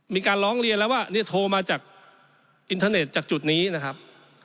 มีการร้องเรียนแล้วว่าเนี่ยโทรมาจากอินเทอร์เน็ตจากจุดนี้นะครับ